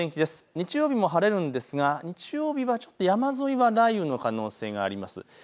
日曜日も晴れるんですが日曜日はちょっと山沿いは雷雨の可能性があります。